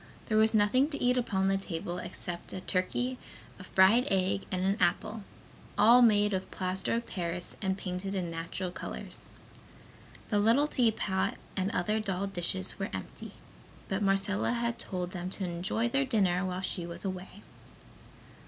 There was nothing to eat upon the table except a turkey, a fried egg and an apple, all made of plaster of paris and painted in natural colors. The little teapot and other doll dishes were empty, but Marcella had told them to enjoy their dinner while she was away.